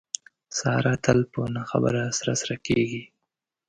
ساره تل په نه خبره سره سره کېږي.